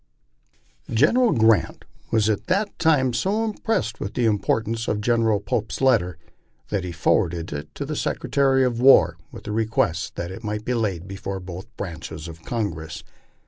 General Grant was at that time so impressed with the importance of Gen eral Pope's letter that he forwarded it to the Secretary of War, with the re quest that it might be laid before both branches of Congress.